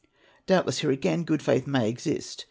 Doubtless, here again, good faith may exist.